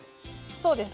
そうです。